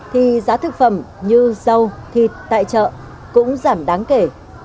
thì giá thực phẩm như rau thịt tại chợ cũng giảm đáng kể